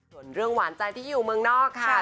ส่วนเรื่องหวานใจที่อยู่เมืองนอกค่ะ